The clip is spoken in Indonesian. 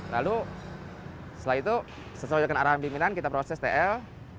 lalu setelah itu sesuai dengan arahan pimpinan kita proses tl